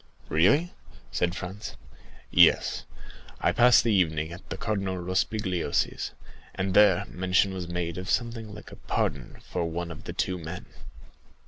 "Really?" said Franz. "Yes, I passed the evening at the Cardinal Rospigliosi's, and there mention was made of something like a pardon for one of the two men."